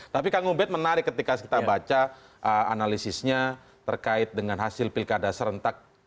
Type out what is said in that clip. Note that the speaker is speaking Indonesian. tapi kang ubed menarik ketika kita baca analisisnya terkait dengan hasil pilkada serentak